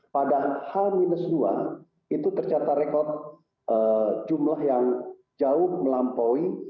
pada h dua itu tercatat rekod jumlah yang jauh melampaui